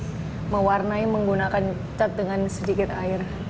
bagaimana cara menggunakan cat dengan sedikit air